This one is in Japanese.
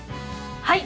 はい！